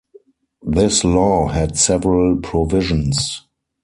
This law had several provisions.